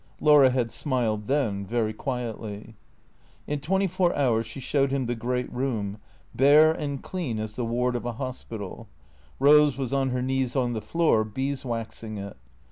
Laura had smiled then, very quietly. In twenty four hours she showed him the great room, bare and clean as the ward of a hospital (Eose was on her knees on the floor, bees waxing it).